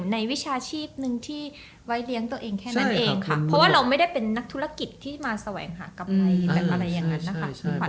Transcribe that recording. วิชาชีพหนึ่งที่ไว้เลี้ยงตัวเองแค่นั้นเองค่ะเพราะว่าเราไม่ได้เป็นนักธุรกิจที่มาแสวงหากำไรแบบอะไรอย่างนั้นนะคะ